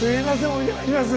お邪魔します。